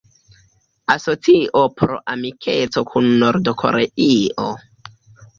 Asocio por Amikeco kun Nord-Koreio.